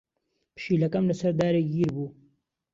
پشیلەکەم لەسەر دارێک گیر بوو.